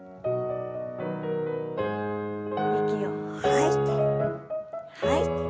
息を吐いて吐いて。